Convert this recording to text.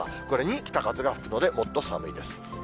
これに北風が吹くのでもっと寒いです。